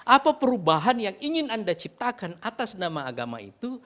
apa perubahan yang ingin anda ciptakan atas nama agama itu